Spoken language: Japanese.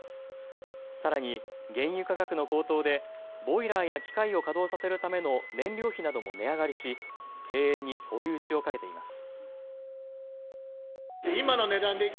さらに原油価格の高騰でボイラーや機械を稼働させるための燃料費なども値上がりし経営に追い打ちをかけています。